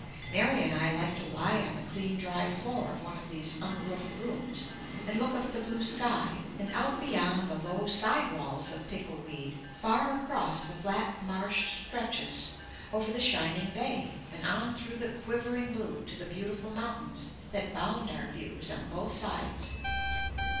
Mary and I like to lie on the clean dry floor of one of these unroofed rooms and look up at the blue sky and out beyond the low side walls of pickle weed far across the flat marsh stretches, over the shining bay, and on through the quivering blue to the beautiful mountains that bound our views on both sides.